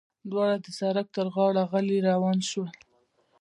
دواړه د سړک پر غاړه غلي روان شول.